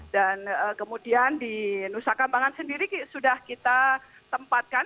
dan kemudian di nusa kambangan sendiri sudah kita tempatkan